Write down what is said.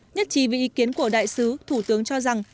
nhất trì vì ý kiến của đại sứ thủ tướng cho rằng